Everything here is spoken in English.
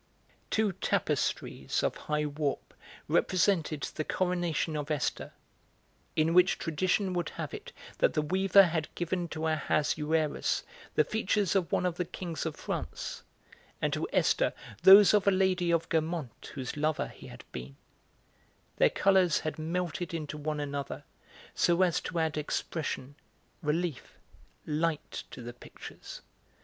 Two tapestries of high warp represented the coronation of Esther (in which tradition would have it that the weaver had given to Ahasuerus the features of one of the kings of France and to Esther those of a lady of Guermantes whose lover he had been); their colours had melted into one another, so as to add expression, relief, light to the pictures.